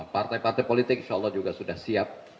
partai partai politik insya allah juga sudah siap